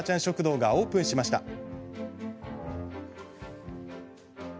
食堂がオープンしました。